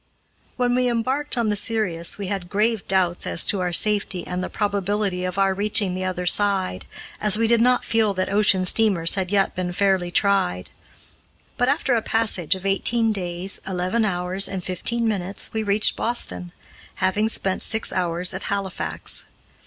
When we embarked on the Sirius, we had grave doubts as to our safety and the probability of our reaching the other side, as we did not feel that ocean steamers had yet been fairly tried. But, after a passage of eighteen days, eleven hours, and fifteen minutes, we reached Boston, having spent six hours at Halifax.